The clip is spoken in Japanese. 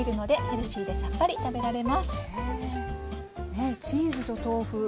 へえねえチーズと豆腐。